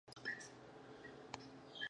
کینه مو له دننه خوري.